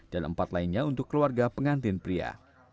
empat lainnya untuk keluarga pengantin pria